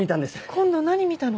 今度は何見たの？